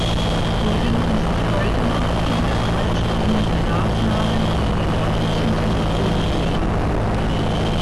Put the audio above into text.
So finden sich heute noch viele deutsch klingende Nachnamen in den örtlichen Telefonbüchern.